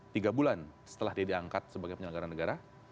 tiga bulan setelah dia diangkat sebagai penyelenggara negara